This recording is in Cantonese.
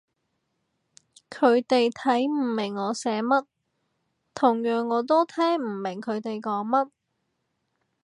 佢哋睇唔明我寫乜，同樣我都聽唔明佢哋講乜